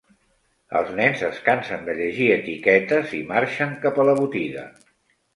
Els nens es cansen de llegir etiquetes i marxen cap a la botiga.